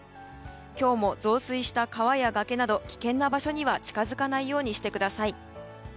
今日も増水した川や崖など危険な場所には近づかないようにしてください。